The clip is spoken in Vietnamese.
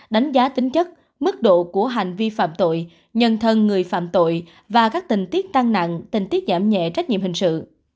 đánh giá tính chất mức độ của hành vi phạm tội nhân thân người phạm tội và các tình tiết tăng nặng tình tiết giảm nhẹ trách nhiệm hình sự